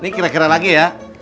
ini kira kira lagi ya